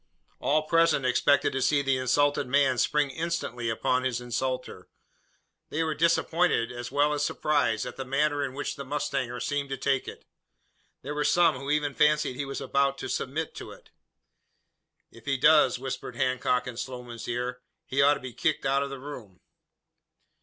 All present expected to see the insulted man spring instantly upon his insulter. They were disappointed, as well as surprised, at the manner in which the mustanger seemed to take it. There were some who even fancied he was about to submit to it. "If he does," whispered Hancock in Sloman's ear, "he ought to be kicked out of the room."